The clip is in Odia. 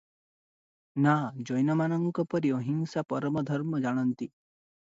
ନା, ଜୈନମାନଙ୍କ ପରି ଅହିଁସା ପରମ ଧର୍ମ ଜାଣନ୍ତି?